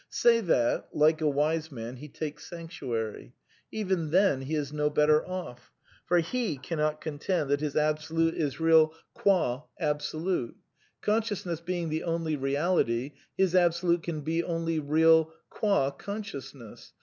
Say that, like a wise man, he takes sanctuary. Even then he is no better off. For he cannot contend that his Absolute is real qua Absolute. Consciousness being the only reality, his Abso >< lute can be only real qua Consciousness.